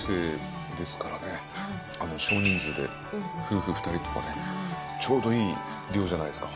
少人数で夫婦２人とかでちょうどいい量じゃないですか。